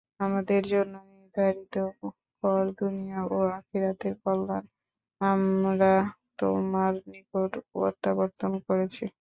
আমাদের জন্য নির্ধারিত কর দুনিয়া ও আখিরাতের কল্যাণ, আমরা তোমার নিকট প্রত্যাবর্তন করেছি।